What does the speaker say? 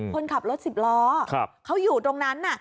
คนขับรถ๑๐ล้อเขาอยู่ตรงนั้น